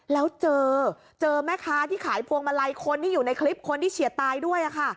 แล้วเจอเจอแม่ค้าที่ขายพวงมาลัยคนที่อยู่ในคลิปคนที่เฉียดตายด้วยค่ะ